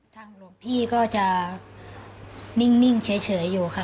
หลวงพี่ก็จะนิ่งเฉยอยู่ค่ะ